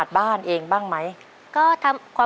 ขอเชิญแสงเดือนมาต่อชีวิตเป็นคนต่อไปครับ